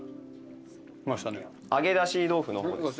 揚げ出し豆腐の方です。